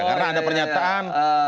karena ada pernyataan